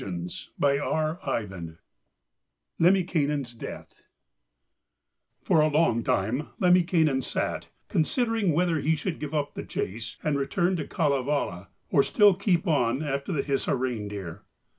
LEMMINKAINEN'S DEATH For a long time Lemminkainen sat considering whether he should give up the chase and return to Kalevala, or still keep on after the Hisi reindeer.